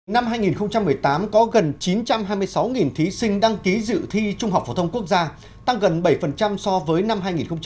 năm hai nghìn một mươi tám có gần chín trăm hai mươi sáu thí sinh đăng ký dự thi trung học phổ thông quốc gia tăng gần bảy so với năm hai nghìn một mươi tám